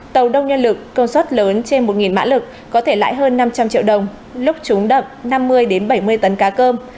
tàu đông nhân lực công suất lớn trên một mã lực có thể lãi hơn năm trăm linh triệu đồng lúc chúng đậm năm mươi bảy mươi tấn cá cơm